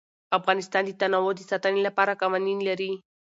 افغانستان د تنوع د ساتنې لپاره قوانین لري.